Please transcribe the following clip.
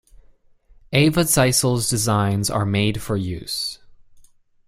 Eva Zeisel's designs are made for use.